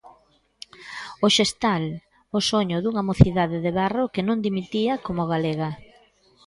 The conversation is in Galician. O Xestal, o soño dunha mocidade de Barro que non dimitía como galega.